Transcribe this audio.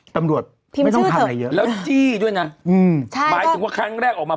ตำรวจไม่ต้องทำอะไรเยอะแล้วจี้ด้วยนะอืมใช่หมายถึงว่าครั้งแรกออกมา